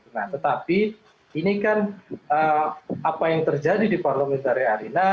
nah tetapi ini kan apa yang terjadi di parliamentary arena